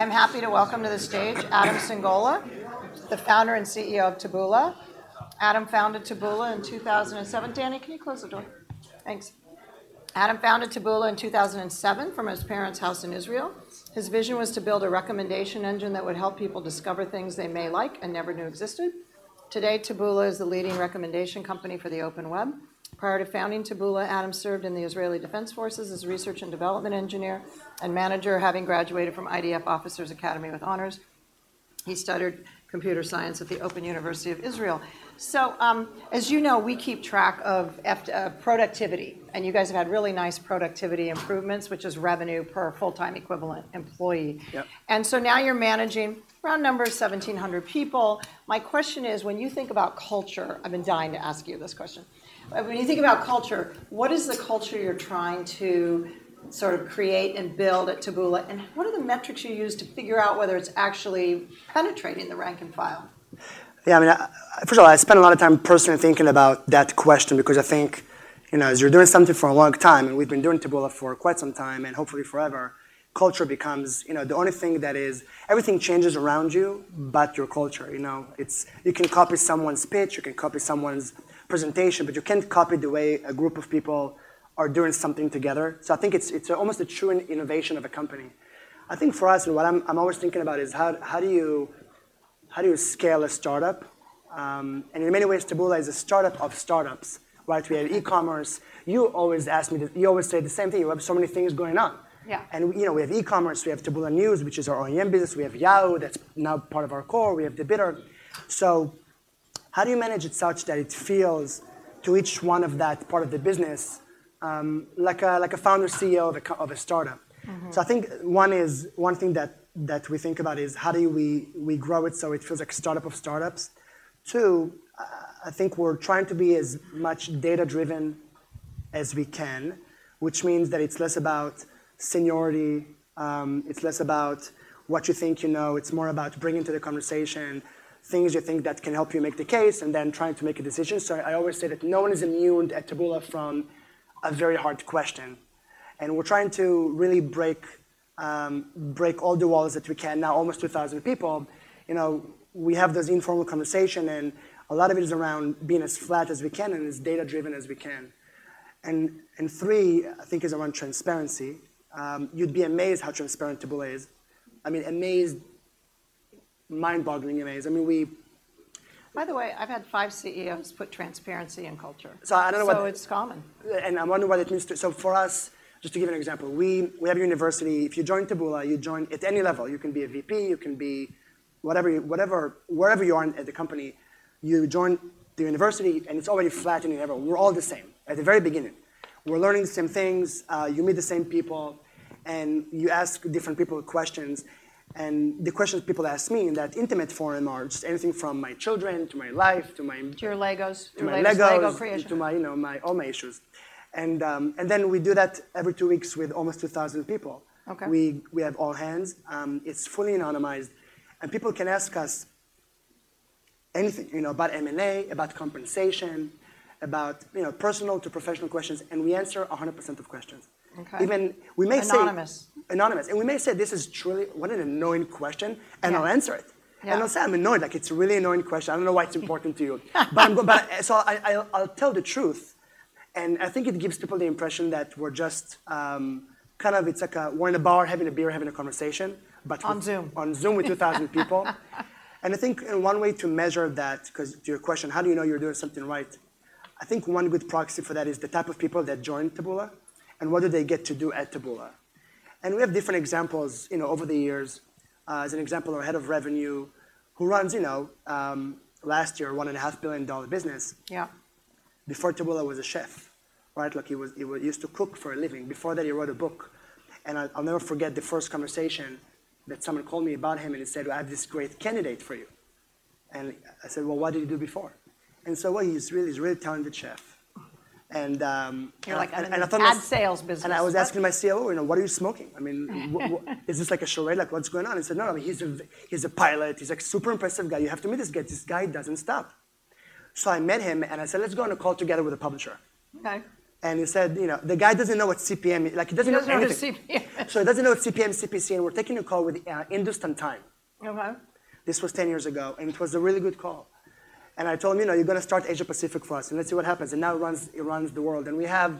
I'm happy to welcome to the stage, Adam Singolda, the founder and CEO of Taboola. Adam founded Taboola in 2007. Danny, can you close the door? Thanks. Adam founded Taboola in 2007 from his parents' house in Israel. His vision was to build a recommendation engine that would help people discover things they may like and never knew existed. Today, Taboola is the leading recommendation company for the open web. Prior to founding Taboola, Adam served in the Israeli Defense Forces as a research and development engineer and manager, having graduated from IDF Officers Academy with honors. He studied computer science at the Open University of Israel. So, as you know, we keep track of productivity, and you guys have had really nice productivity improvements, which is revenue per full-time equivalent employee. Yep. And so now you're managing around 1,700 people. My question is, when you think about culture... I've been dying to ask you this question. When you think about culture, what is the culture you're trying to sort of create and build at Taboola? And what are the metrics you use to figure out whether it's actually penetrating the rank and file? Yeah, I mean, first of all, I spend a lot of time personally thinking about that question because I think, you know, as you're doing something for a long time, and we've been doing Taboola for quite some time, and hopefully forever, culture becomes, you know, the only thing that is, everything changes around you, but your culture, you know? It's, you can copy someone's pitch, you can copy someone's presentation, but you can't copy the way a group of people are doing something together. So I think it's, it's almost a true innovation of a company. I think for us, what I'm, I'm always thinking about is how, how do you, how do you scale a startup? And in many ways, Taboola is a startup of startups, right? We have e-commerce. You always say the same thing, "You have so many things going on. Yeah. You know, we have e-commerce, we have Taboola News, which is our OEM business, we have Yahoo!, that's now part of our core, we have the bidder. So how do you manage it such that it feels to each one of that part of the business, like a founder CEO of a startup? Mm-hmm. So I think one is one thing that we think about is, how do we grow it so it feels like a startup of startups? Two, I think we're trying to be as much data-driven as we can, which means that it's less about seniority, it's less about what you think you know. It's more about bringing to the conversation things you think that can help you make the case, and then trying to make a decision. So I always say that no one is immune at Taboola from a very hard question, and we're trying to really break break all the walls that we can. Now, almost 2,000 people, you know, we have those informal conversation, and a lot of it is around being as flat as we can and as data-driven as we can. And three, I think, is around transparency. You'd be amazed how transparent Taboola is. I mean, amazed, mind-boggling amazed. I mean, we- By the way, I've had five CEOs put transparency in culture. I don't know what- It's common. I wonder whether it is too. So for us, just to give you an example, we have a university. If you join Taboola, you join at any level. You can be a VP, you can be whatever, wherever you are in the company, you join the university, and it's already flat, and you're never, we're all the same at the very beginning. We're learning the same things, you meet the same people, and you ask different people questions. And the questions people ask me in that intimate forum are just anything from my children, to my life, to my- To your Legos. To my Legos. Your Lego creation. To my, you know, all my issues. And then we do that every two weeks with almost 2,000 people. Okay. We have all hands. It's fully anonymized, and people can ask us anything, you know, about M&A, about compensation, about, you know, personal to professional questions, and we answer 100% of questions. Okay. We may say- Anonymous? And we may say, "This is truly-- what an annoying question," and- Yeah... I'll answer it. Yeah. I'll say I'm annoyed, like, "It's a really annoying question. I don't know why it's important to you." But so I'll tell the truth, and I think it gives people the impression that we're just kind of like we're in a bar, having a beer, having a conversation, but- On Zoom. On Zoom with 2,000 people. I think one way to measure that, 'cause to your question, how do you know you're doing something right? I think one good proxy for that is the type of people that join Taboola and what do they get to do at Taboola. We have different examples, you know, over the years. As an example, our head of revenue, who runs, you know, last year, $1.5 billion business- Yeah... before Taboola was a chef, right? Like he was- he used to cook for a living. Before that, he wrote a book, and I'll, I'll never forget the first conversation that someone called me about him, and he said, "I have this great candidate for you." And I said: "Well, what did you do before?" And so, "Well, he's really, he's a really talented chef." And, You're like, an ad sales business. And I was asking my CEO, "What are you smoking? I mean, is this like a charade? Like, what's going on?" He said, "No, no, he's a, he's a pilot. He's like a super impressive guy. You have to meet this guy. This guy doesn't stop." So I met him, and I said, "Let's go on a call together with a publisher. Okay. He said, you know, "The guy doesn't know what CPM is," like, he doesn't know anything. He doesn't know what CPM is. So he doesn't know what CPM, CPC is, and we're taking a call with Hindustan Times. Okay. This was 10 years ago, and it was a really good call. And I told him, "You know, you're going to start Asia Pacific for us, and let's see what happens." And now it runs, it runs the world. And we have,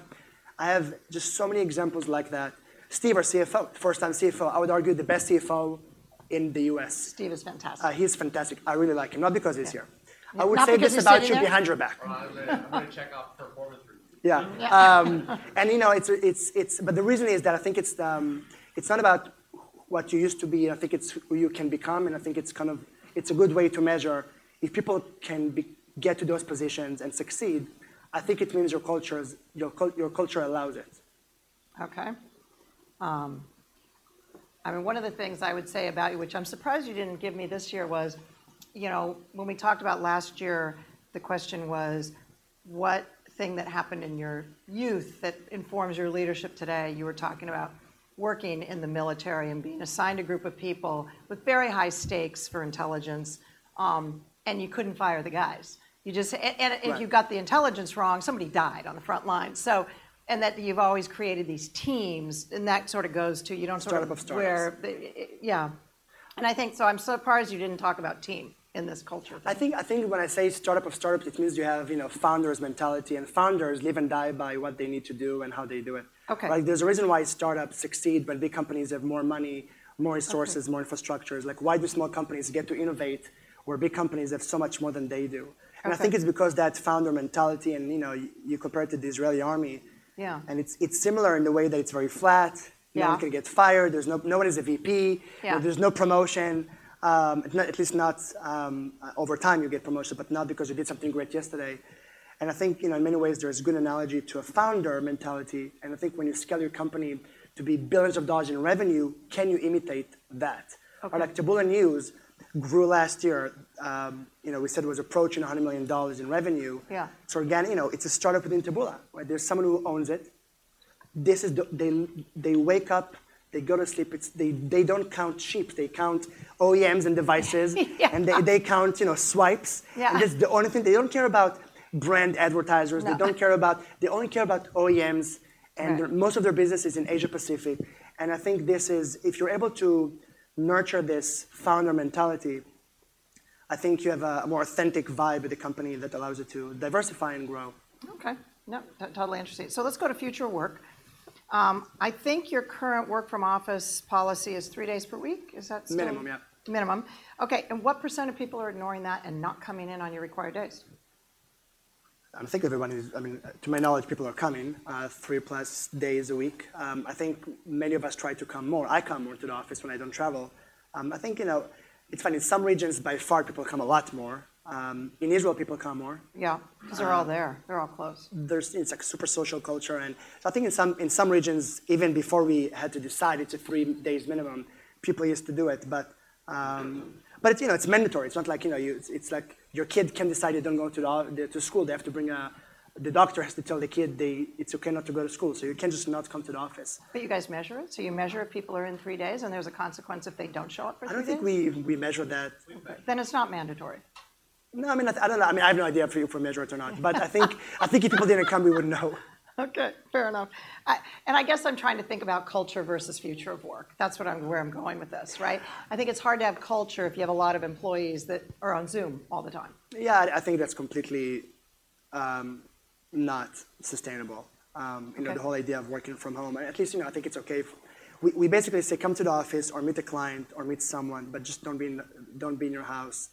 I have just so many examples like that. Steve, our CFO, first time CFO, I would argue, the best CFO in the U.S. Steve is fantastic. He’s fantastic. I really like him, not because he’s here. Not because you said it here? I would say this about you behind your back. I'm gonna check out performance review. Yeah. Yeah. You know, it's... But the reason is that I think it's not about what you used to be. I think it's who you can become, and I think it's a good way to measure. If people can get to those positions and succeed, I think it means your culture allows it. Okay. I mean, one of the things I would say about you, which I'm surprised you didn't give me this year, was, you know, when we talked about last year, the question was: What thing that happened in your youth that informs your leadership today? You were talking about working in the military and being assigned a group of people with very high stakes for intelligence, and you couldn't fire the guys. You just... Right... if you got the intelligence wrong, somebody died on the front line. So, and that you've always created these teams, and that sort of goes to, you don't sort of where- Startup of startups. Yeah. And I think so I'm surprised you didn't talk about team in this culture. I think, I think when I say startup of startups, it means you have, you know, founder's mentality, and founders live and die by what they need to do and how they do it. Okay. Like, there's a reason why startups succeed, but big companies have more money, more resources- Okay... more infrastructures. Like, why do small companies get to innovate, where big companies have so much more than they do? Okay. I think it's because that founder mentality and, you know, you compare it to the Israeli army. Yeah. It's, it's similar in the way that it's very flat. Yeah. No one can get fired. There's nobody's a VP. Yeah. There's no promotion. At least not over time, you get promotion, but not because you did something great yesterday. And I think, you know, in many ways, there is a good analogy to a founder mentality, and I think when you scale your company to be billions of dollars in revenue, can you imitate that? Okay. Like Taboola News grew last year, you know, we said it was approaching $100 million in revenue. Yeah. So again, you know, it's a startup within Taboola, right? There's someone who owns it. This is the, they wake up, they go to sleep, it's, they don't count sheep, they count OEMs and devices. Yeah. They count, you know, swipes. Yeah. That's the only thing. They don't care about brand advertisers. No. They don't care about. They only care about OEMs. Right... and most of their business is in Asia Pacific, and I think this is, if you're able to nurture this founder mentality, I think you have a, a more authentic vibe at the company that allows it to diversify and grow. Okay. Yep, totally interesting. So let's go to future work. I think your current work from office policy is three days per week. Is that still? Minimum, yeah. Minimum. Okay, and what % of people are ignoring that and not coming in on your required days? I think everyone is. I mean, to my knowledge, people are coming 3+ days a week. I think many of us try to come more. I come more to the office when I don't travel. I think, you know, it's funny, some regions by far, people come a lot more. In Israel, people come more. Yeah. Um- 'Cause they're all there. They're all close. There's it's like super social culture, and so I think in some regions, even before we had to decide it's a 3 days minimum, people used to do it. But, but, you know, it's mandatory. It's not like, you know, you... It's like your kid can decide you don't go to school. They have to bring a-- the doctor has to tell the kid they it's okay not to go to school, so you can't just not come to the office. You guys measure it? You measure if people are in three days, and there's a consequence if they don't show up for three days? I don't think we measure that. Then it's not mandatory. No, I mean, I don't know. I mean, I have no idea if we measure it or not. But I think if people didn't come, we would know. Okay, fair enough. I guess I'm trying to think about culture versus future of work. That's what I'm, where I'm going with this, right? I think it's hard to have culture if you have a lot of employees that are on Zoom all the time. Yeah, I think that's completely not sustainable. Okay... the whole idea of working from home, at least, you know, I think it's okay. We basically say, come to the office or meet a client or meet someone, but just don't be in, don't be in your house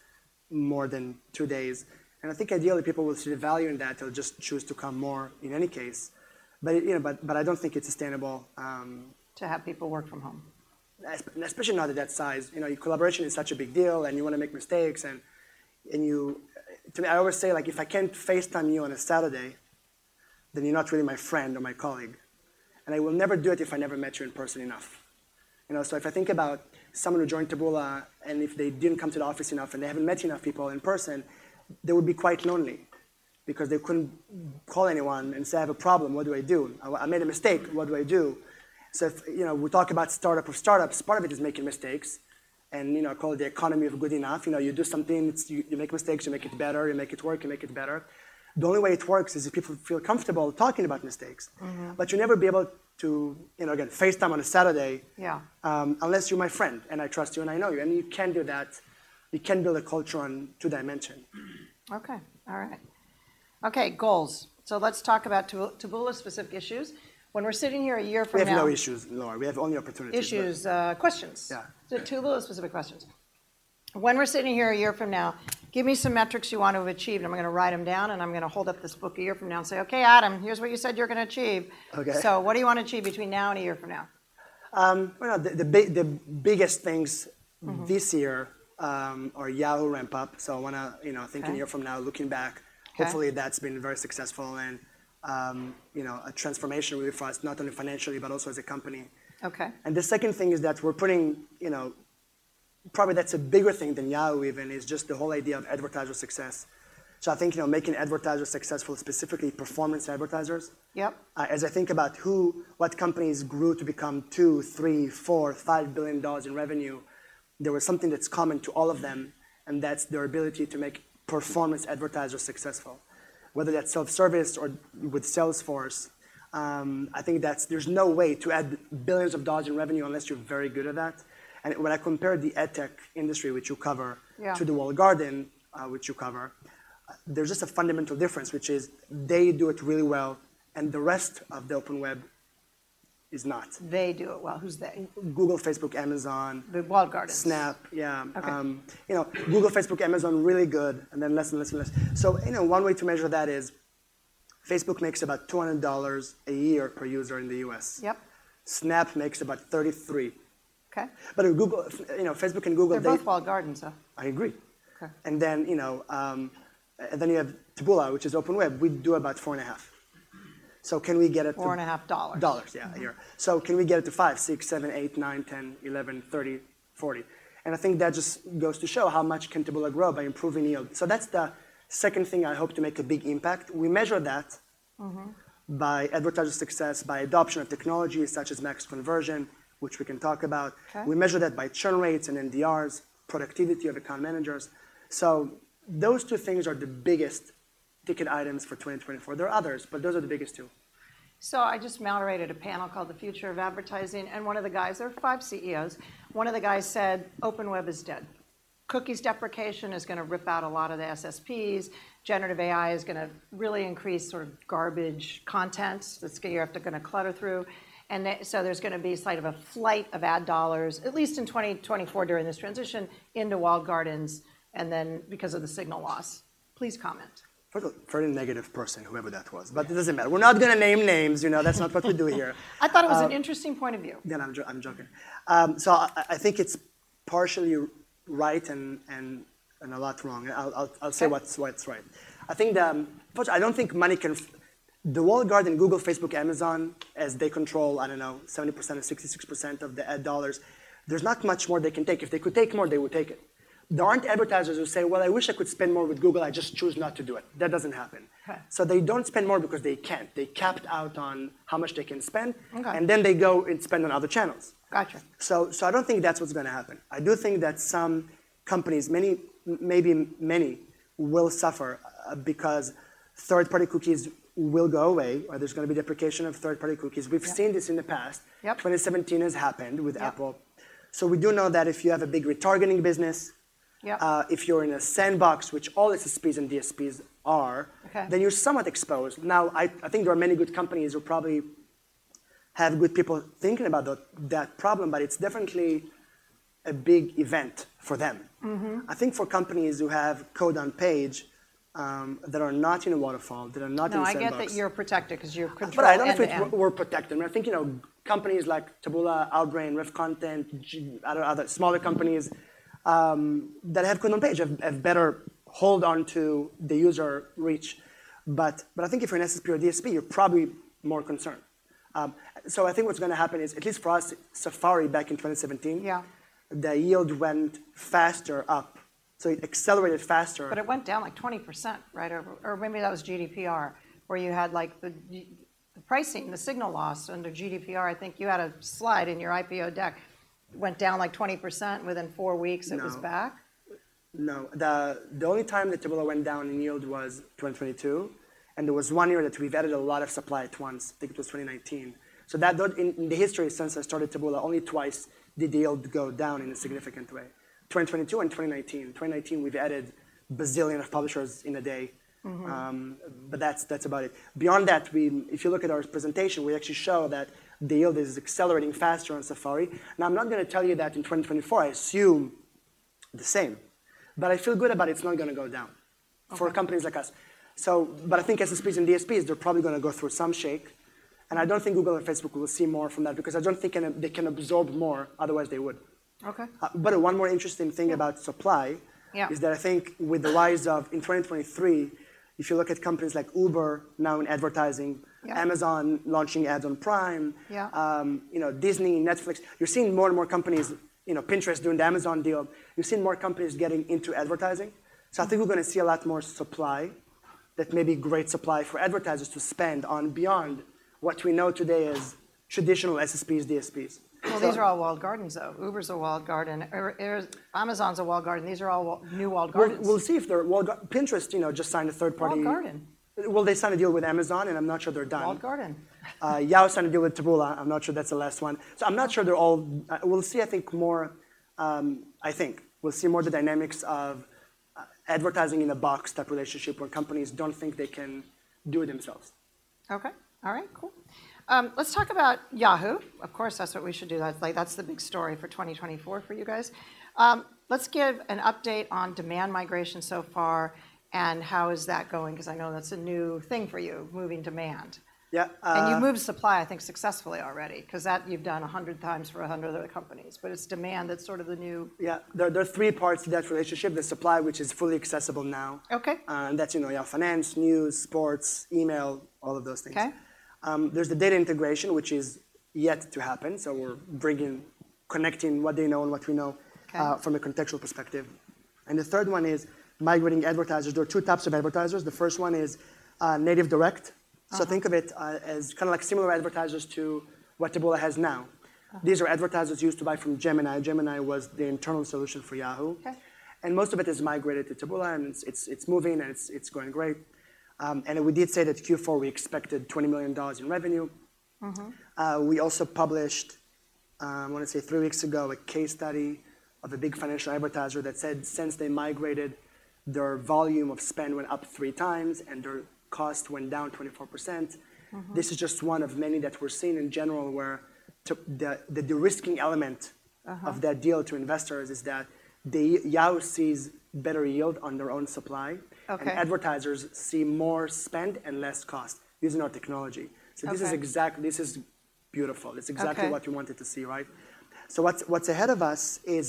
more than two days. And I think ideally, people will see the value in that, or just choose to come more in any case. But, you know, I don't think it's sustainable. To have people work from home... Especially not at that size. You know, your collaboration is such a big deal, and you want to make mistakes. To me, I always say, like, if I can't FaceTime you on a Saturday, then you're not really my friend or my colleague, and I will never do it if I never met you in person enough. You know, so if I think about someone who joined Taboola, and if they didn't come to the office enough, and they haven't met enough people in person, they would be quite lonely because they couldn't call anyone and say: "I have a problem, what do I do? I made a mistake, what do I do?" So if, you know, we talk about startup of startups, part of it is making mistakes and, you know, call it the economy of good enough. You know, you do something. You make mistakes, you make it better, you make it work, you make it better. The only way it works is if people feel comfortable talking about mistakes. Mm-hmm. But you'll never be able to, you know, again, FaceTime on a Saturday- Yeah... unless you're my friend, and I trust you, and I know you, and you can't do that. You can't build a culture on two dimension. Okay. All right. Okay, goals. So let's talk about Taboola, Taboola specific issues. When we're sitting here a year from now- We have no issues, Laura. We have only opportunities. Issues, questions. Yeah. So Taboola specific questions. When we're sitting here a year from now, give me some metrics you want to have achieved, and I'm going to write them down, and I'm going to hold up this book a year from now and say, "Okay, Adam, here's what you said you're going to achieve. Okay. What do you want to achieve between now and a year from now? Well, the biggest things- Mm-hmm... this year, are Yahoo ramp-up, so I want to, you know- Okay... think a year from now, looking back- Okay... hopefully, that's been very successful and, you know, a transformation really for us, not only financially, but also as a company. Okay. And the second thing is that we're putting, you know... Probably that's a bigger thing than Yahoo even, is just the whole idea of advertiser success. So I think, you know, making advertisers successful, specifically performance advertisers. Yep. As I think about who, what companies grew to become $2 billion, $3 billion, $4 billion, $5 billion in revenue, there was something that's common to all of them, and that's their ability to make performance advertisers successful, whether that's self-service or with Salesforce. I think that's—there's no way to add billions of dollars in revenue unless you're very good at that. And when I compare the ad tech industry, which you cover- Yeah... to the walled garden, which you cover, there's just a fundamental difference, which is they do it really well, and the rest of the open web is not. They do it well. Who's they? Google, Facebook, Amazon. The walled gardens. Snap. Yeah. Okay. You know, Google, Facebook, Amazon, really good, and then less, and less, and less. So, you know, one way to measure that is, Facebook makes about $200 a year per user in the U.S. Yep. Snap makes about $33. Okay. But in Google, you know, Facebook and Google, they- They're both walled gardens, so. I agree. Okay. And then, you know, and then you have Taboola, which is open web. We do about 4.5. So can we get it to- $4.5? dollars, yeah, a year. Mm. Can we get it to 5, 6, 7, 8, 9, 10, 11, 30, 40? I think that just goes to show how much Taboola can grow by improving yield. That's the second thing I hope to make a big impact. We measure that- Mm-hmm... by advertiser success, by adoption of technologies such as Max Conversion, which we can talk about. Okay. We measure that by churn rates and NDRs, productivity of account managers. So those two things are the biggest ticket items for 2024. There are others, but those are the biggest two. So I just moderated a panel called The Future of Advertising, and one of the guys... There were five CEOs. One of the guys said, "Open Web is dead. Cookies deprecation is gonna rip out a lot of the SSPs. Generative AI is gonna really increase sort of garbage contents that you're have to kinda clutter through, and then so there's gonna be sort of a flight of ad dollars, at least in 2024, during this transition, into walled gardens, and then because of the signal loss." Please comment. Very, very negative person, whoever that was. Yeah. But it doesn't matter. We're not gonna name names, you know? That's not what we do here. I thought it was an interesting point of view. Yeah, I'm joking. So I think it's partially right and a lot wrong, and I'll say- Okay... what's right. I think, first, I don't think money can—the walled garden, Google, Facebook, Amazon, as they control, I don't know, 70% or 66% of the ad dollars, there's not much more they can take. If they could take more, they would take it. There aren't advertisers who say, "Well, I wish I could spend more with Google. I just choose not to do it." That doesn't happen. Right. So they don't spend more because they can't. They capped out on how much they can spend- Okay... and then they go and spend on other channels. Gotcha. So, so I don't think that's what's gonna happen. I do think that some companies, many, maybe many, will suffer because third-party cookies will go away, or there's gonna be deprecation of third-party cookies. Yeah. We've seen this in the past. Yep. 2017, as happened with Apple. Yeah. We do know that if you have a big retargeting business- Yeah... if you're in a sandbox, which all SSPs and DSPs are- Okay... then you're somewhat exposed. Now, I think there are many good companies who probably have good people thinking about that problem, but it's definitely a big event for them. Mm-hmm. I think for companies who have code on page, that are not in a waterfall, that are not in a sandbox- No, I get that you're protected 'cause you control the end-to-end. But I don't know if we're, we're protected. I think, you know, companies like Taboola, Outbrain, RevContent, Google... other other smaller companies that have code on page have, have better hold on to the user reach. But, but I think if you're an SSP or DSP, you're probably more concerned. So I think what's gonna happen is, at least for us, Safari back in 2017- Yeah... the yield went faster up, so it accelerated faster. But it went down, like, 20%, right? Or maybe that was GDPR, where you had, like, the pricing, the signal loss under GDPR. I think you had a slide in your IPO deck. It went down, like, 20% within four weeks- No... and it was back? No. The only time that Taboola went down in yield was 2022, and there was one year that we've added a lot of supply at once. I think it was 2019. So, in the history, since I started Taboola, only twice did the yield go down in a significant way, 2022 and 2019. 2019, we've added bazillion of publishers in a day. Mm-hmm. But that's about it. Beyond that, we... If you look at our presentation, we actually show that the yield is accelerating faster on Safari. Now, I'm not gonna tell you that in 2024. I assume the same, but I feel good about it's not gonna go down- Okay... for companies like us. So but I think SSPs and DSPs, they're probably gonna go through some shake, and I don't think Google and Facebook will see more from that because I don't think they can absorb more, otherwise they would. Okay. But one more interesting thing about supply- Yeah... is that I think with the rise of, in 2023, if you look at companies like Uber now in advertising- Yeah... Amazon launching ads on Prime- Yeah... you know, Disney, Netflix, you're seeing more and more companies, you know, Pinterest doing the Amazon deal, you're seeing more companies getting into advertising. Mm. So I think we're gonna see a lot more supply that may be great supply for advertisers to spend on beyond what we know today as traditional SSPs, DSPs. So- Well, these are all walled gardens, though. Uber's a walled garden. Amazon's a walled garden. These are all new walled gardens. We'll see if they're walled garden... Pinterest, you know, just signed a third-party- Walled garden. Well, they signed a deal with Amazon, and I'm not sure they're done. Walled garden. Yahoo! signed a deal with Taboola. I'm not sure that's the last one. I'm not sure they're all... We'll see, I think, more... I think we'll see more the dynamics of advertising in a box-type relationship, where companies don't think they can do it themselves. Okay. All right, cool. Let's talk about Yahoo! Of course, that's what we should do. That's, like, that's the big story for 2024 for you guys. Let's give an update on demand migration so far, and how is that going? 'Cause I know that's a new thing for you, moving demand. Yeah. Uh- You moved supply, I think, successfully already, 'cause that you've done 100 times for 100 other companies, but it's demand that's sort of the new- Yeah. There are three parts to that relationship: the supply, which is fully accessible now- Okay... and that's, you know, your finance, news, sports, email, all of those things. Okay. There's the data integration, which is yet to happen, so we're bringing... connecting what they know and what we know- Okay... from a contextual perspective. The third one is migrating advertisers. There are two types of advertisers. The first one is native direct. Uh. Think of it as kind of like similar advertisers to what Taboola has now. Uh. These are advertisers used to buy from Gemini. Gemini was the internal solution for Yahoo! Okay. Most of it has migrated to Taboola, and it's moving, and it's going great. We did say that Q4, we expected $20 million in revenue. Mm-hmm. We also published, I wanna say three weeks ago, a case study of a big financial advertiser that said, since they migrated, their volume of spend went up three times, and their cost went down 24%. Mm-hmm. This is just one of many that we're seeing in general, where the de-risking element- Uh-huh... of that deal to investors is that the Yahoo! sees better yield on their own supply. Okay. Advertisers see more spend and less cost using our technology. Okay. This is beautiful. Okay. It's exactly what you wanted to see, right? So what's ahead of us is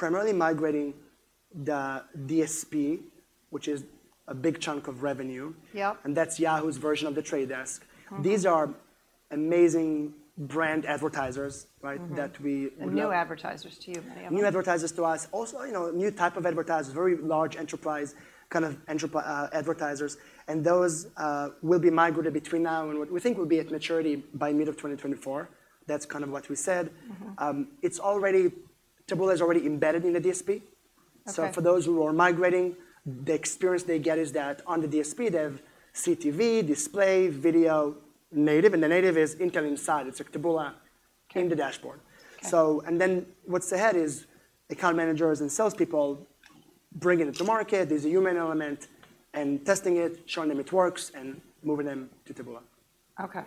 primarily migrating the DSP, which is a big chunk of revenue. Yep. That's Yahoo!'s version of The Trade Desk. Mm-hmm. These are amazing brand advertisers, right? Mm-hmm... that we- New advertisers to you, many of them. New advertisers to us. Also, you know, new type of advertisers, very large enterprise, kind of enterprise advertisers, and those will be migrated between now and what we think will be at maturity by mid-2024. That's kind of what we said. Mm-hmm. Taboola is already embedded in the DSP. Okay. For those who are migrating, the experience they get is that on the DSP, they have CTV, display, video, native, and the native is Intel Inside. It's like Taboola- Okay. in the dashboard. Okay. And then what's ahead is account managers and salespeople bring it into market. There's a human element, and testing it, showing them it works, and moving them to Taboola. Okay.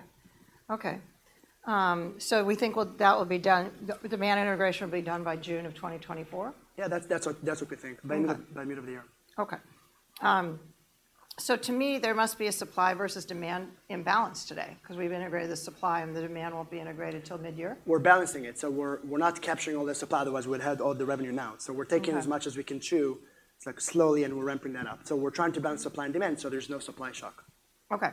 Okay. So we think, well, that will be done—the demand integration will be done by June of 2024? Yeah, that's, that's what, that's what we think. Okay. By the end of the year. Okay. So to me, there must be a supply versus demand imbalance today, 'cause we've integrated the supply, and the demand won't be integrated till midyear. We're balancing it, so we're not capturing all the supply, otherwise we'd have all the revenue now. Okay. So we're taking as much as we can chew, it's like slowly, and we're ramping that up. So we're trying to balance supply and demand, so there's no supply shock. Okay.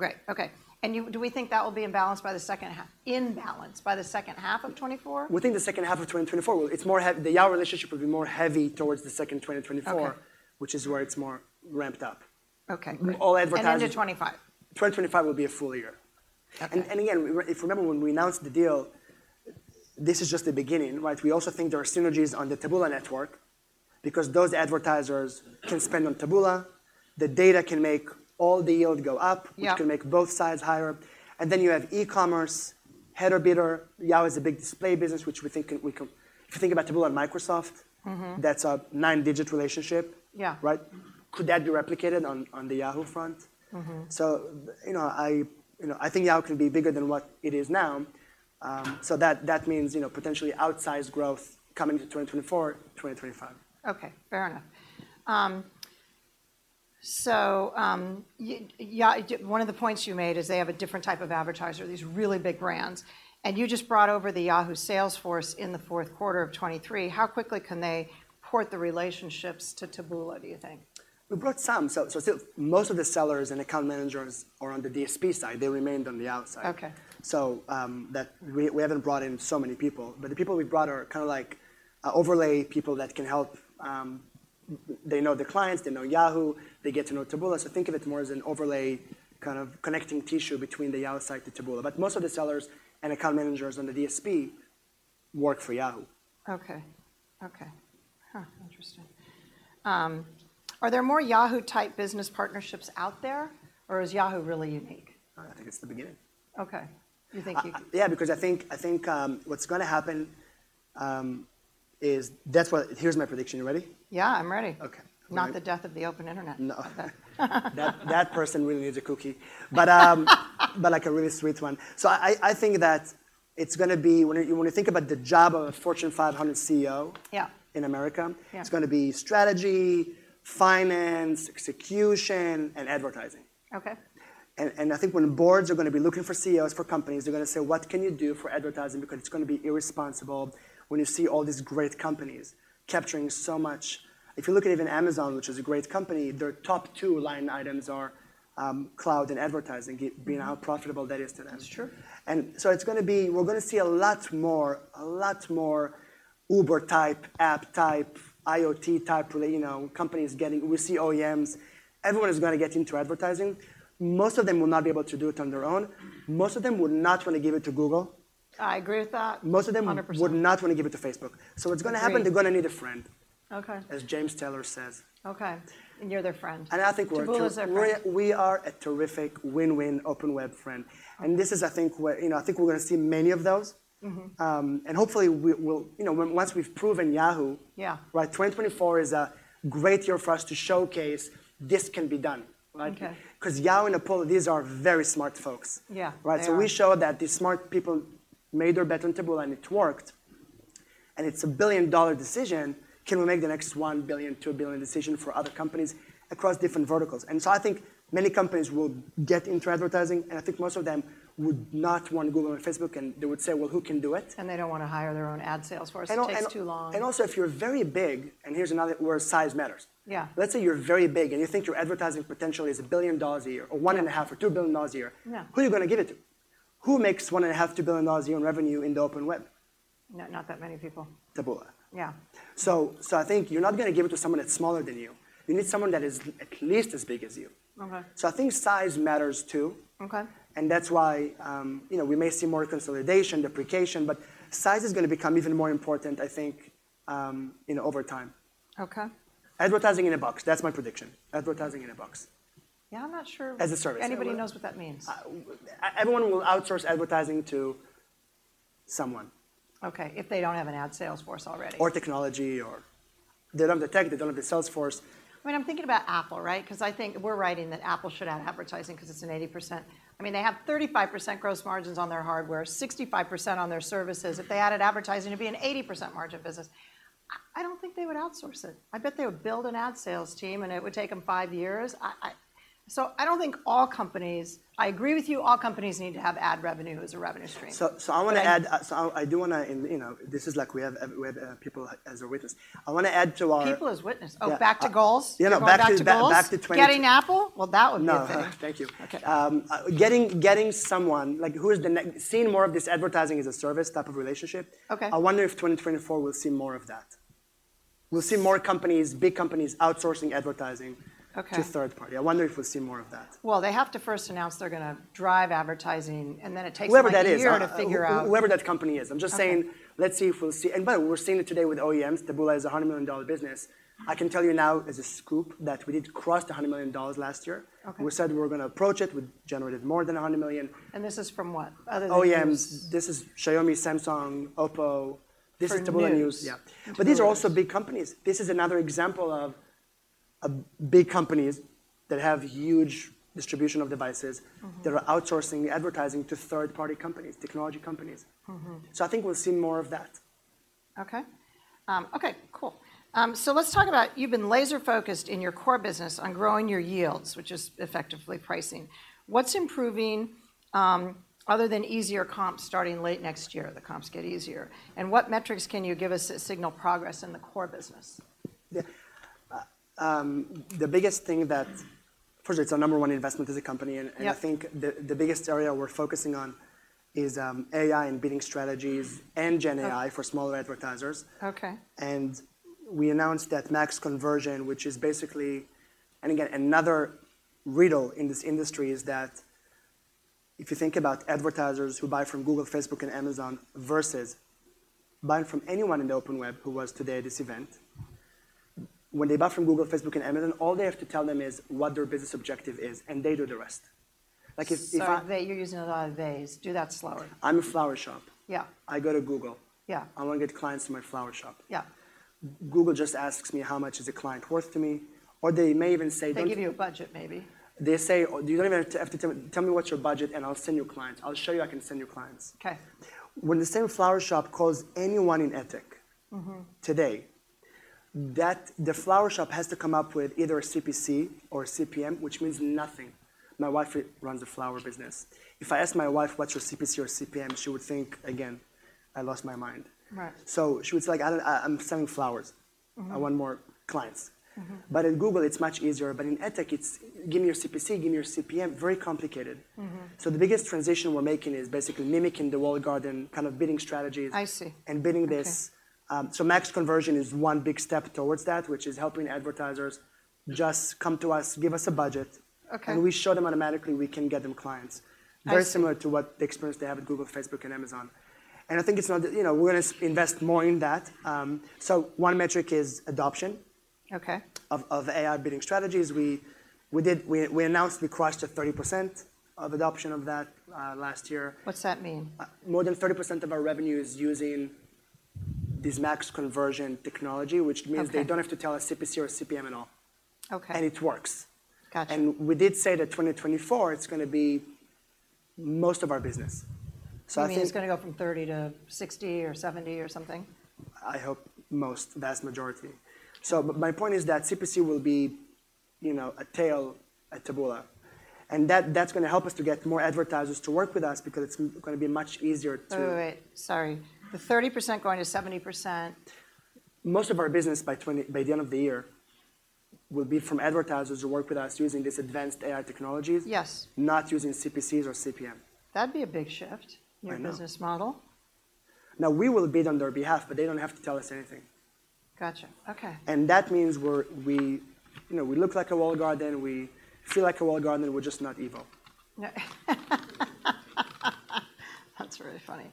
Great, okay. And you, do we think that will be in balance by the second half of 2024? Within the second half of 2024. Well, it's more heavy, the Yahoo! relationship will be more heavy towards the second 2024- Okay. -which is where it's more ramped up. Okay, great. All advertising- And into 2025? 2025 will be a full year. Okay. And again, if we remember when we announced the deal, this is just the beginning, right? We also think there are synergies on the Taboola network, because those advertisers can spend on Taboola, the data can make all the yield go up- Yeah. -which can make both sides higher. And then you have e-commerce, header bidding. Yahoo! is a big display business, which we think we can-- If you think about Taboola and Microsoft- Mm-hmm. That's a nine-digit relationship. Yeah. Right? Could that be replicated on the Yahoo! front? Mm-hmm. So, you know, I think Yahoo! can be bigger than what it is now. So that means, you know, potentially outsized growth coming to 2024, 2025. Okay, fair enough. One of the points you made is they have a different type of advertiser, these really big brands, and you just brought over the Yahoo! sales force in the fourth quarter of 2023. How quickly can they port the relationships to Taboola, do you think? We brought some. So, still, most of the sellers and account managers are on the DSP side. They remained on the outside. Okay. So, that we haven't brought in so many people, but the people we brought are kind of like overlay people that can help. They know the clients, they know Yahoo!, they get to know Taboola. So think of it more as an overlay kind of connecting tissue between the Yahoo! side to Taboola. But most of the sellers and account managers on the DSP work for Yahoo!. Okay. Okay. Huh, interesting. Are there more Yahoo!-type business partnerships out there, or is Yahoo! really unique? I think it's the beginning. Okay. You think you- Yeah, because I think, I think, what's gonna happen, is that's what. Here's my prediction. You ready? Yeah, I'm ready. Okay. Not the death of the open internet. No. That person really needs a cookie. But like a really sweet one. So I think that it's gonna be... When you think about the job of a Fortune 500 CEO- Yeah -in America- Yeah. It's gonna be strategy, finance, execution, and advertising. Okay. I think when boards are gonna be looking for CEOs for companies, they're gonna say: "What can you do for advertising?" Because it's gonna be irresponsible when you see all these great companies capturing so much. If you look at even Amazon, which is a great company, their top two line items are cloud and advertising, being how profitable that is to them. Sure. So it's gonna be, we're gonna see a lot more, a lot more Uber-type, app-type, IoT-type, you know, companies getting... We see OEMs. Everyone is gonna get into advertising. Most of them will not be able to do it on their own. Most of them will not want to give it to Google. I agree with that. Most of them- Hundred percent... would not want to give it to Facebook. Agreed. So what's gonna happen, they're gonna need a friend- Okay... as James Taylor says. Okay, and you're their friend. I think we're- Taboola is their friend. We are a terrific win-win open web friend. Okay. This is, I think, where, you know, I think we're gonna see many of those. Mm-hmm. Hopefully, we'll, you know, once we've proven Yahoo!- Yeah. Right, 2024 is a great year for us to showcase this can be done, right? Okay. 'Cause Yahoo! and Apollo, these are very smart folks. Yeah. Right? They are. So we showed that these smart people made their bet on Taboola, and it worked, and it's a billion-dollar decision. Can we make the next $1 billion-$2 billion decision for other companies across different verticals? And so I think many companies will get into advertising, and I think most of them would not want Google or Facebook, and they would say, "Well, who can do it? And they don't want to hire their own ad sales force. And, and- It takes too long. And also, if you're very big, and here's another where size matters. Yeah. Let's say you're very big, and you think your advertising potential is $1 billion a year, or 1.5, or $2 billion a year. Yeah. Who are you gonna give it to? Who makes $1.5 billion-$2 billion a year in revenue in the open web? No, not that many people. Taboola. Yeah. So, I think you're not gonna give it to someone that's smaller than you. You need someone that is at least as big as you. Okay. I think size matters, too. Okay. That's why, you know, we may see more consolidation, deprecation, but size is gonna become even more important, I think, you know, over time. Okay. Advertising in a box, that's my prediction. Advertising in a box. Yeah, I'm not sure- As a service.... anybody knows what that means. Everyone will outsource advertising to someone. Okay, if they don't have an ad sales force already. Or technology, or they don't have the tech, they don't have the sales force. I mean, I'm thinking about Apple, right? 'Cause I think we're writing that Apple should add advertising 'cause it's an 80%... I mean, they have 35% gross margins on their hardware, 65% on their services. If they added advertising, it'd be an 80% margin business. I, I don't think they would outsource it. I bet they would build an ad sales team, and it would take them 5 years. I, I... So I don't think all companies—I agree with you, all companies need to have ad revenue as a revenue stream. So, I wanna add, so I do wanna, and, you know, this is like we have people as a witness. I wanna add to our- People as witness? Yeah, uh- Oh, back to goals? You know, back to- We're going back to goals? Back to 20- Getting Apple? Well, that would be a thing. No, thank you. Okay. Getting someone, like, who is the next—seeing more of this advertising as a service type of relationship. Okay. I wonder if 2024 we'll see more of that. We'll see more companies, big companies, outsourcing advertising- Okay. to third party. I wonder if we'll see more of that. Well, they have to first announce they're going to drive advertising, and then it takes like a year- Whoever that is- to figure out. Whoever that company is. Okay. I'm just saying, let's see if we'll see. And by the way, we're seeing it today with OEMs. Taboola is a $100 million business. I can tell you now, as a scoop, that we did cross the $100 million last year. Okay. We said we were going to approach it. We generated more than $100 million. This is from what? Other than- OEMs. This is Xiaomi, Samsung, OPPO. For news? This is Taboola News. Yeah. Taboola. But these are also big companies. This is another example of big companies that have huge distribution of devices- Mm-hmm. that are outsourcing advertising to third-party companies, technology companies. Mm-hmm. I think we'll see more of that. Okay. Okay, cool. So let's talk about, you've been laser-focused in your core business on growing your yields, which is effectively pricing. What's improving, other than easier comps starting late next year, the comps get easier, and what metrics can you give us that signal progress in the core business? Yeah. The biggest thing that, first, it's our number one investment as a company. Yep. I think the biggest area we're focusing on is AI and bidding strategies and Gen AI- Okay -for smaller advertisers. Okay. We announced that Max Conversion, which is basically... And again, another riddle in this industry is that if you think about advertisers who buy from Google, Facebook, and Amazon versus buying from anyone in the open web who was today at this event, when they buy from Google, Facebook, and Amazon, all they have to tell them is what their business objective is, and they do the rest. Like, if I- Sorry, you're using a lot of nays. Do that slower. I'm a flower shop. Yeah. I go to Google. Yeah. I want to get clients to my flower shop. Yeah. Google just asks me how much is a client worth to me, or they may even say that. They give you a budget, maybe. They say, "You don't even have to tell me. Tell me what's your budget, and I'll send you clients. I'll show you I can send you clients. Okay. When the same flower shop calls anyone in ad tech- Mm-hmm Today, the flower shop has to come up with either a CPC or a CPM, which means nothing. My wife runs a flower business. If I ask my wife: What's your CPC or CPM? She would think, again, I lost my mind. Right. So she would say, like, "I'm selling flowers. Mm-hmm. I want more clients. Mm-hmm. But in Google, it's much easier. But in ad tech, it's: Give me your CPC, give me your CPM. Very complicated. Mm-hmm. The biggest transition we're making is basically mimicking the walled garden kind of bidding strategies. I see and bidding this. Okay. So, Max Conversion is one big step towards that, which is helping advertisers just come to us, give us a budget- Okay and we show them automatically. We can get them clients. I see. Very similar to what the experience they have at Google, Facebook, and Amazon. I think it's not that, you know, we're going to invest more in that. So one metric is adoption- Okay of AI bidding strategies. We announced we crossed to 30% of adoption of that last year. What's that mean? More than 30% of our revenue is using this Max Conversion technology- Okay which means they don't have to tell us CPC or CPM at all. Okay. It works. Got you. We did say that 2024, it's going to be most of our business. So I think- It's going to go from 30 to 60 or 70 or something? I hope most vast majority. So but my point is that CPC will be, you know, a tailwind at Taboola, and that's going to help us to get more advertisers to work with us because it's going to be much easier to- Wait, wait, wait. Sorry. The 30% going to 70%? Most of our business by the end of the year will be from advertisers who work with us using these advanced AI technologies. Yes not using CPCs or CPM. That'd be a big shift- I know in your business model. Now, we will bid on their behalf, but they don't have to tell us anything. Got you. Okay. That means, you know, we look like a walled garden, we feel like a walled garden, we're just not evil. That's really funny.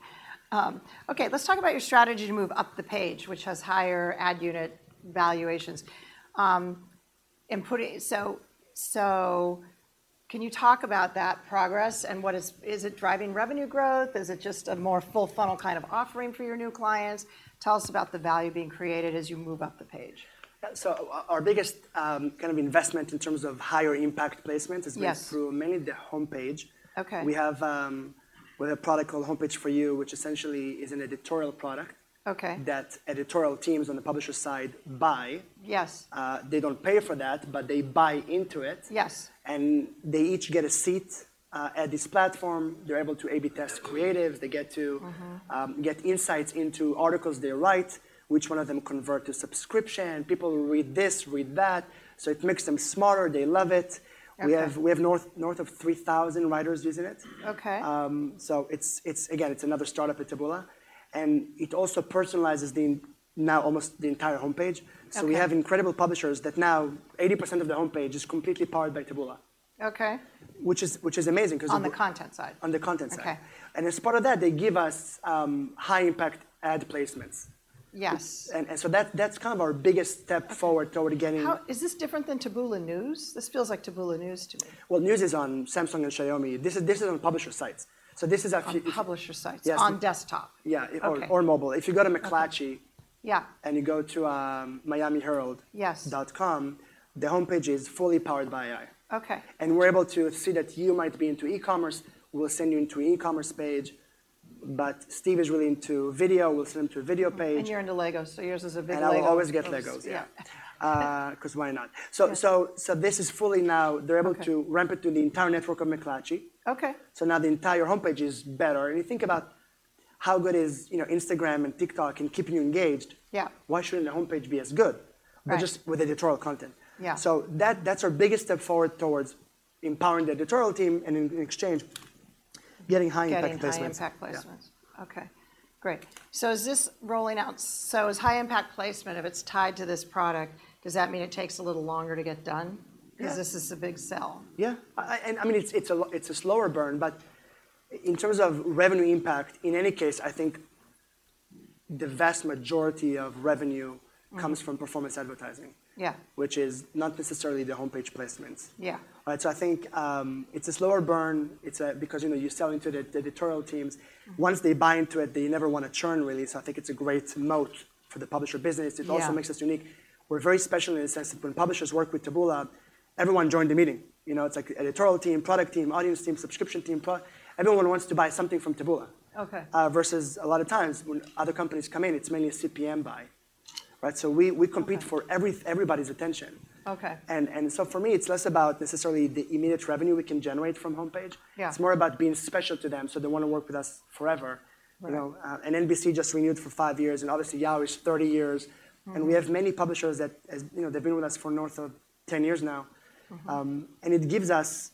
Okay, let's talk about your strategy to move up the page, which has higher ad unit valuations. Can you talk about that progress and what is it driving revenue growth? Is it just a more full-funnel kind of offering for your new clients? Tell us about the value being created as you move up the page. Yeah. So our biggest kind of investment in terms of higher impact placement- Yes has been through mainly the homepage. Okay. We have, we have a product called Homepage For You, which essentially is an editorial product- Okay that editorial teams on the publisher side buy. Yes. They don't pay for that, but they buy into it. Yes. They each get a seat at this platform. They're able to A/B test creative. They get to- Mm-hmm Get insights into articles they write, which one of them convert to subscription. People read this, read that, so it makes them smarter. They love it. Okay. We have north of 3,000 writers using it. Okay. So, again, it's another startup at Taboola, and it also personalizes now almost the entire homepage. Okay. We have incredible publishers that now 80% of the homepage is completely powered by Taboola. Okay. Which is amazing, because- On the content side? On the content side. Okay. As part of that, they give us high-impact ad placements. Yes. And so that's kind of our biggest step forward toward getting- Is this different than Taboola News? This feels like Taboola News to me. Well, news is on Samsung and Xiaomi. This is on publisher sites. So this is actually- On publisher sites. Yes. On desktop? Yeah. Okay. Or mobile. Okay. If you go to McClatchy- Yeah -and you go to, Miami Herald- Yes... dot com, the homepage is fully powered by AI. Okay. We're able to see that you might be into e-commerce, we'll send you into an e-commerce page, but Steve is really into video, we'll send him to a video page. You're into Legos, so yours is a big Legos. I will always get Legos, yeah. Yeah. Because why not? Yeah. So this is fully now- Okay... they're able to ramp it to the entire network of McClatchy. Okay. Now the entire homepage is better. You think about how good is, you know, Instagram and TikTok in keeping you engaged? Yeah. Why shouldn't the homepage be as good? Right. But just with editorial content. Yeah. So that's our biggest step forward toward empowering the editorial team, and in exchange, getting high-impact placements. Getting high-impact placements? Yeah. Okay, great. So is high-impact placement, if it's tied to this product, does that mean it takes a little longer to get done? Yeah. 'Cause this is a big sell. Yeah. And, I mean, it's a slower burn, but in terms of revenue impact, in any case, I think the vast majority of revenue- Mm... comes from performance advertising- Yeah which is not necessarily the homepage placements. Yeah. Right. So I think it's a slower burn. Because, you know, you're selling to the editorial teams. Mm. Once they buy into it, they never want to churn, really, so I think it's a great moat for the publisher business. Yeah. It also makes us unique. We're very special in the sense that when publishers work with Taboola, everyone joined the meeting. You know, it's like editorial team, product team, audience team, subscription team. Everyone wants to buy something from Taboola- Okay... versus a lot of times, when other companies come in, it's mainly a CPM buy, right? So we compete- Okay... for everybody's attention. Okay. So for me, it's less about necessarily the immediate revenue we can generate from homepage. Yeah. It's more about being special to them, so they want to work with us forever. Right. You know, NBC just renewed for five years, and obviously, Yahoo! is 30 years. Mm. We have many publishers that, you know, they've been with us for north of ten years now. Mm-hmm. It gives us...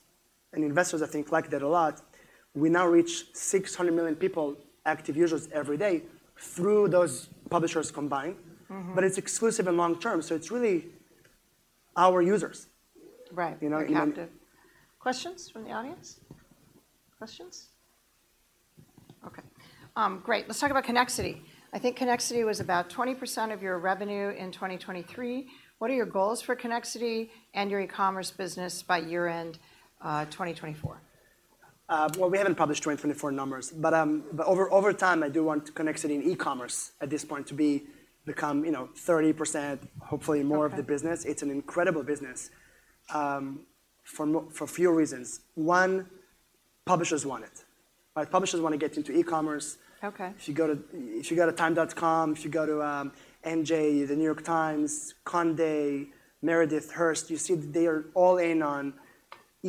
Investors, I think, like that a lot. We now reach 600 million people, active users every day, through those publishers combined. Mm-hmm. It's exclusive and long term, so it's really our users. Right. You know, They're captive. Questions from the audience? Questions? Okay. Great! Let's talk about Connexity. I think Connexity was about 20% of your revenue in 2023. What are your goals for Connexity and your e-commerce business by year-end 2024? Well, we haven't published 2024 numbers, but over time, I do want Connexity in e-commerce at this point to become, you know, 30%, hopefully more- Okay... of the business. It's an incredible business, for a few reasons. One, publishers want it, right? Publishers want to get into e-commerce. Okay. If you go to time.com, if you go to NYT, The New York Times, Condé, Meredith, Hearst, you see that they are all in on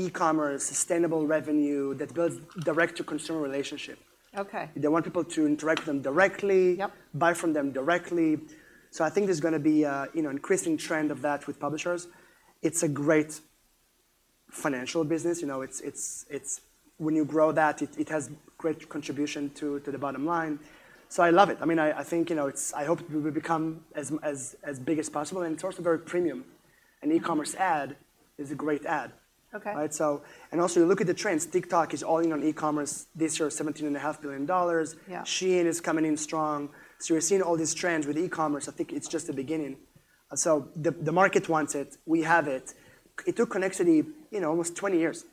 e-commerce, sustainable revenue that builds direct-to-consumer relationship. Okay. They want people to interact with them directly- Yep... buy from them directly. So I think there's going to be a, you know, increasing trend of that with publishers. It's a great financial business, you know. When you grow that, it has great contribution to the bottom line, so I love it. I mean, I think, you know, I hope it will become as big as possible, and it's also very premium. Mm. An e-commerce ad is a great ad. Okay. Right? So... and also, you look at the trends. TikTok is all in on e-commerce. This year, $17.5 billion. Yeah. Shein is coming in strong. So you're seeing all these trends with e-commerce. I think it's just the beginning. So the market wants it. We have it. It took Connexity, you know, almost 20 years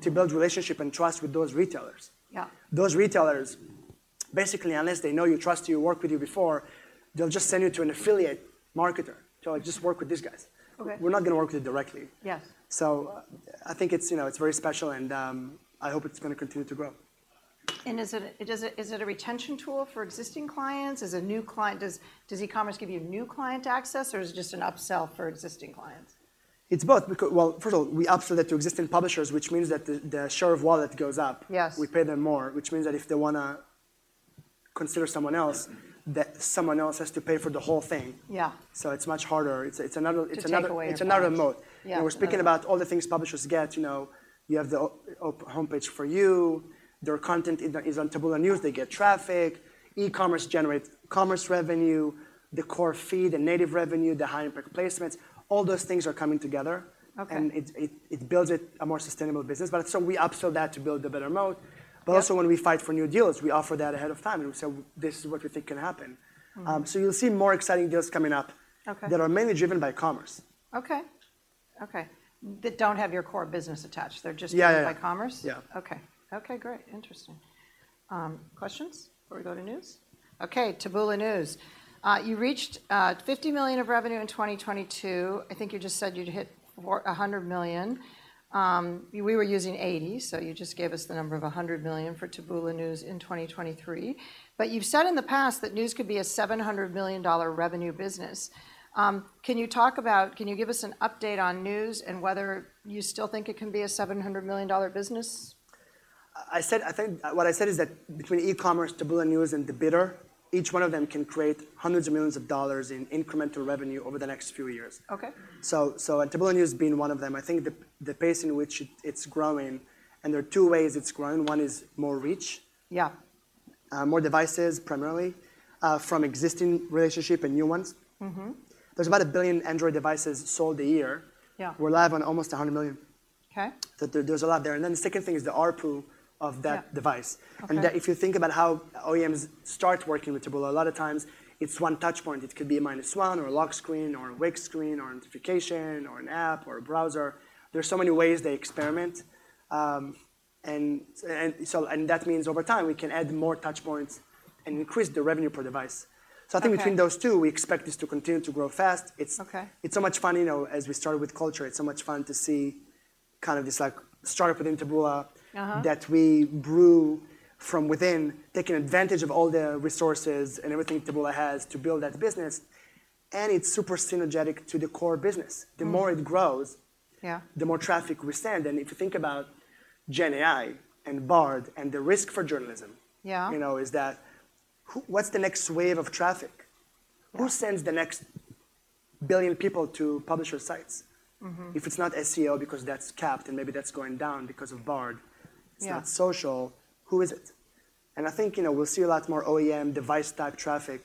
to build relationship and trust with those retailers. Yeah. Those retailers, basically, unless they know you, trust you, worked with you before, they'll just send you to an affiliate marketer. So just work with these guys. Okay. We're not going to work with you directly. Yes. I think it's, you know, it's very special, and I hope it's going to continue to grow. Is it a retention tool for existing clients? Does e-commerce give you new client access, or is it just an upsell for existing clients? It's both because... Well, first of all, we upsell that to existing publishers, which means that the, the share of wallet goes up. Yes. We pay them more, which means that if they want to consider someone else, that someone else has to pay for the whole thing. Yeah. So it's much harder. It's another- To take away an advantage.... It's another moat. Yeah. When we're speaking about all the things publishers get, you know, you have the Homepage For You. Their content is on Taboola News. They get traffic. E-commerce generates commerce revenue, the core feed, the native revenue, the high-impact placements, all those things are coming together. Okay. It builds it a more sustainable business, but so we upsell that to build a better moat. Yeah. But also, when we fight for new deals, we offer that ahead of time, and we say, "This is what we think can happen. Mm. You'll see more exciting deals coming up- Okay... that are mainly driven by commerce. Okay. Okay. That don't have your core business attached, they're just- Yeah, yeah... driven by commerce? Yeah. Okay. Okay, great. Interesting. Questions before we go to News? Okay, Taboola News. You reached $50 million of revenue in 2022. I think you just said you'd hit a hundred million. We were using 80, so you just gave us the number of $100 million for Taboola News in 2023. But you've said in the past that News could be a $700 million revenue business. Can you give us an update on News and whether you still think it can be a $700 million business? I think what I said is that between e-commerce, Taboola News, and the bidder, each one of them can create $hundreds of millions in incremental revenue over the next few years. Okay. So and Taboola News being one of them, I think the pace in which it, it's growing, and there are two ways it's growing. One is more reach. Yeah. More devices, primarily, from existing relationship and new ones. Mm-hmm. There's about 1 billion Android devices sold a year. Yeah. We're live on almost 100 million. Okay. So there, there's a lot there. Then the second thing is the ARPU of that device. Yeah. Okay. If you think about how OEMs start working with Taboola, a lot of times it's one touch point. It could be a minus one or a lock screen or a wake screen or a notification or an app or a browser. There are so many ways they experiment, and that means over time, we can add more touch points and increase the revenue per device. Okay. So I think between those two, we expect this to continue to grow fast. It's- Okay... it's so much fun, you know, as we started with culture, it's so much fun to see kind of this, like, startup within Taboola- Uh-huh... that we brew from within, taking advantage of all the resources and everything Taboola has to build that business, and it's super synergetic to the core business. Mm. The more it grows- Yeah... the more traffic we send. And if you think about GenAI and Bard and the risk for journalism- Yeah... you know, is that, what's the next wave of traffic? Yeah. Who sends the next billion people to publisher sites? Mm-hmm. If it's not SEO, because that's capped, and maybe that's going down because of Bard. Yeah. If it's not social, who is it? And I think, you know, we'll see a lot more OEM device-type traffic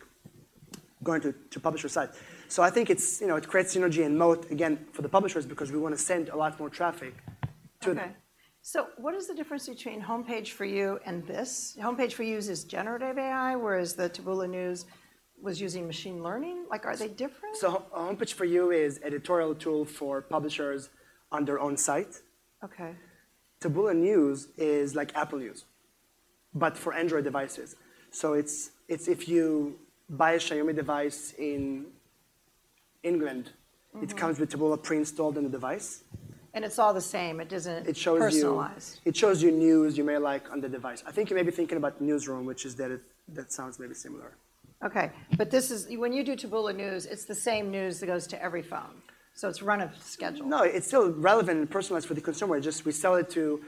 going to publisher site. So I think it's, you know, it creates synergy and moat again for the publishers because we want to send a lot more traffic to them. Okay. So what is the difference between Homepage For You and this? Homepage For You uses generative AI, whereas the Taboola News was using machine learning. Like, are they different? So Homepage For You is editorial tool for publishers on their own site. Okay. Taboola News is like Apple News, but for Android devices. So it's if you buy a Xiaomi device in England- Mm-hmm... it comes with Taboola pre-installed in the device. It's all the same. It doesn't- It shows you- -personalize. It shows you news you may like on the device. I think you may be thinking about Newsroom, which is that it, that sounds maybe similar. Okay. But this is when you do Taboola News, it's the same news that goes to every phone. So it's run a schedule. No, it's still relevant and personalized for the consumer. Just, we sell it to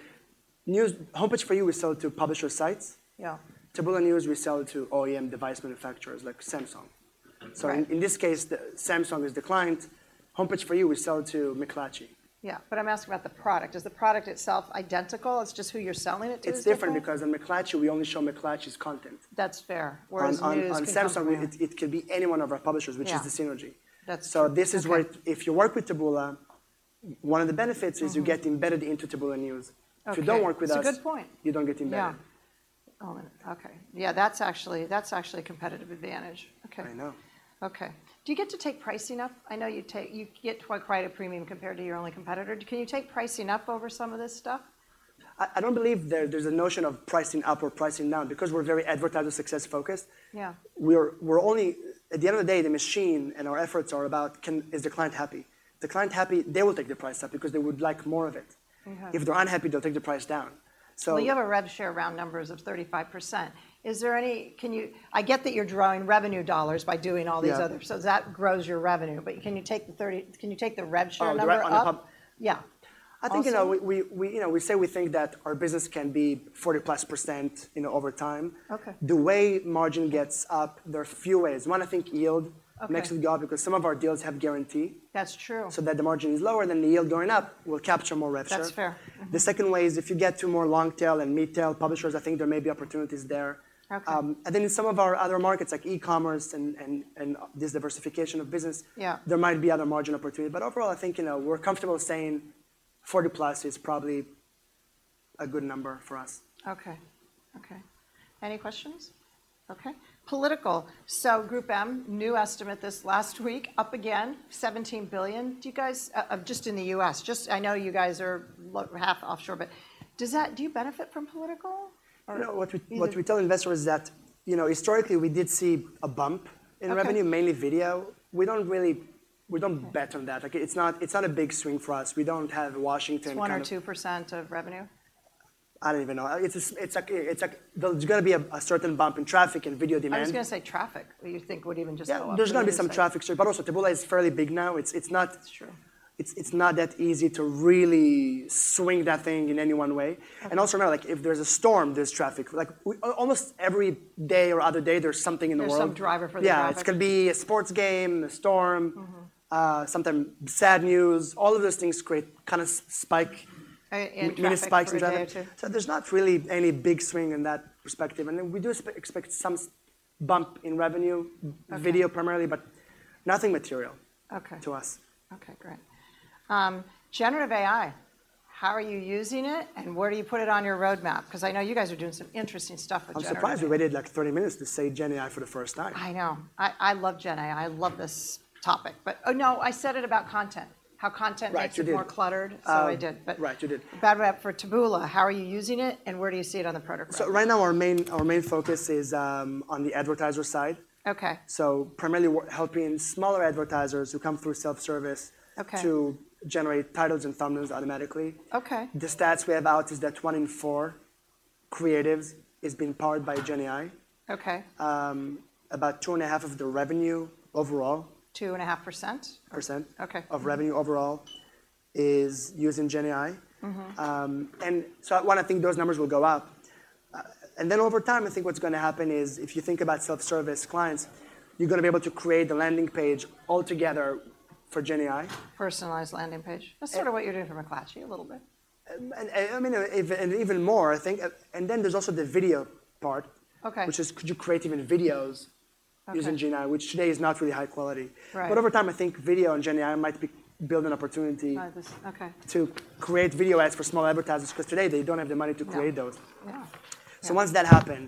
news, Homepage For You, we sell it to publisher sites. Yeah. Taboola News, we sell it to OEM device manufacturers like Samsung. Right. In this case, the Samsung is the client. Homepage For You, we sell to McClatchy. Yeah, but I'm asking about the product. Is the product itself identical? It's just who you're selling it to- It's different because in McClatchy, we only show McClatchy's content. That's fair. Whereas news- On Samsung, it could be any one of our publishers- Yeah... which is the synergy. That's true. This is where if you work with Taboola, one of the benefits is- Mm-hmm... you get embedded into Taboola News. Okay. If you don't work with us- It's a good point.... you don't get embedded. Yeah. Oh, okay. Yeah, that's actually, that's actually a competitive advantage. Okay. I know. Okay. Do you get to take pricing up? I know you get to acquire a premium compared to your only competitor. Can you take pricing up over some of this stuff? I don't believe there's a notion of pricing up or pricing down because we're very advertiser success focused. Yeah. We're only at the end of the day, the machine and our efforts are about is the client happy? The client happy, they will take the price up because they would like more of it. Mm-hmm. If they're unhappy, they'll take the price down. So- Well, you have a rev share round numbers of 35%. Is there any... Can you-- I get that you're drawing revenue dollars by doing all these other- Yeah. That grows your revenue. Can you take the rev share number up? Oh, the rev on the pub? Yeah. Also- I think, you know, we say we think that our business can be 40%+, you know, over time. Okay. The way margin gets up, there are few ways. One, I think yield- Okay... makes it go up because some of our deals have guarantee. That's true. So that the margin is lower, then the yield going up will capture more rev share. That's fair. Mm-hmm. The second way is if you get to more long-tail and mid-tail publishers, I think there may be opportunities there. Okay. And then in some of our other markets, like e-commerce and this diversification of business- Yeah... there might be other margin opportunity. But overall, I think, you know, we're comfortable saying 40+ is probably a good number for us. Okay. Okay. Any questions? Okay. Political. So GroupM, new estimate this last week, up again, $17 billion. Do you guys, just in the US, just, I know you guys are half offshore, but does that, do you benefit from political? Or- You know, what we- Either-... what we tell investors is that, you know, historically, we did see a bump in revenue- Okay... mainly video. We don't really - we don't bet on that. Like, it's not, it's not a big swing for us. We don't have Washington kind of - It's 1% or 2% of revenue? I don't even know. It's just, it's like, it's like there's gonna be a, a certain bump in traffic and video demand. I was gonna say traffic, you think would even just go up. Yeah, there's gonna be some traffic, sure, but also Taboola is fairly big now. It's, it's not- It's true. It's not that easy to really swing that thing in any one way. Okay. And also, remember, like, if there's a storm, there's traffic. Like, almost every day or other day, there's something in the world. There's some driver for the traffic. Yeah. It's gonna be a sports game, a storm- Mm-hmm... sometime sad news. All of those things create kind of spike- And traffic... mini spikes in traffic. Too. So there's not really any big swing in that perspective, and then we do expect some bump in revenue- Okay... video primarily, but nothing material- Okay... to us. Okay, great. Generative AI, how are you using it, and where do you put it on your roadmap? 'Cause I know you guys are doing some interesting stuff with gen AI. I'm surprised we waited, like, 30 minutes to say Gen AI for the first time. I know. I, I love Gen AI. I love this topic, but... Oh, no, I said it about content, how content- Right, you did.... makes you more cluttered. So I did, but- Right, you did. Bad rep for Taboola. How are you using it, and where do you see it on the product road? Right now, our main focus is on the advertiser side. Okay. Primarily, we're helping smaller advertisers who come through self-service- Okay... to generate titles and thumbnails automatically. Okay. The stats we have out is that 1 in 4 creatives is being powered by Gen AI. Okay. About 2.5 of the revenue overall- 2.5%? Percent. Okay. Of revenue overall is using Gen AI. Mm-hmm. And so one, I think those numbers will go up. And then over time, I think what's gonna happen is, if you think about self-service clients, you're gonna be able to create the landing page altogether for Gen AI. Personalized landing page. Yeah. That's sort of what you're doing for McClatchy a little bit. And I mean, even more, I think. And then there's also the video part. Okay... which is, could you create even videos- Okay... using Gen AI, which today is not really high quality. Right. But over time, I think video and Gen AI might be building an opportunity- Oh, this. Okay... to create video ads for small advertisers, 'cause today they don't have the money to create those. Yeah. Yeah. Once that happen,